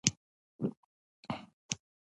ملک صاحب ویل: سهار وختي له کوره ووتلم.